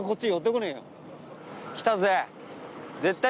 来たぜ。